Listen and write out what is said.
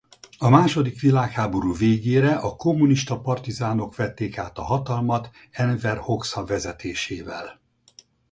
A második világháború végére a kommunista partizánok vették át a hatalmat Enver Hoxha vezetésével.